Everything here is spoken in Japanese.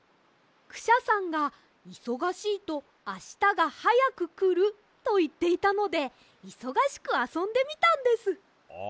クシャさんが「いそがしいとあしたがはやくくる」といっていたのでいそがしくあそんでみたんです。